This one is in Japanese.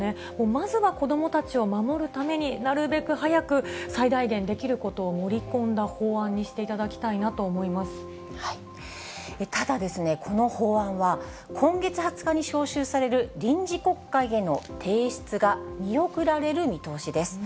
まずは子どもたちを守るために、なるべく早く最大限できることを盛り込んだ法案にしていただきたただ、この法案は、今月２０日に召集される臨時国会への提出が見送られる見通しです。